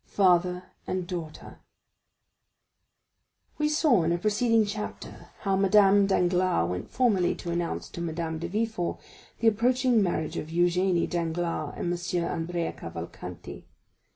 Father and Daughter We saw in a preceding chapter how Madame Danglars went formally to announce to Madame de Villefort the approaching marriage of Eugénie Danglars and M. Andrea Cavalcanti.